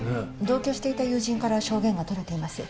同居していた友人から証言が取れています。